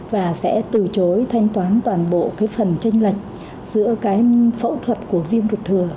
và sẽ từ chối thanh toán toàn bộ cái phần tranh lệch giữa cái phẫu thuật của viêm ruột thừa